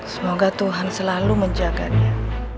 semoga tuhan selalu menjaganya